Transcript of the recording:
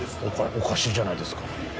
おかしいじゃないですか。